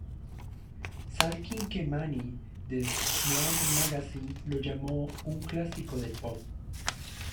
Sal Cinquemani de "Slant Magazine" lo llamó "un clásico del pop".